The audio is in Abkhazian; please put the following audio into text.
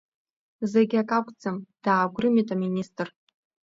Зегь акакәӡам, даагәрымит аминистр.